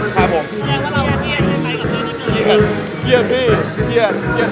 แต่ว่าถ้าเกิดว่าเข้าใจผิดจริงหรอ